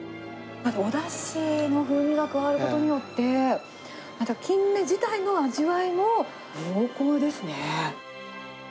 なんかおだしの風味が加わることによって、またキンメ自体の味わいも濃厚ですね。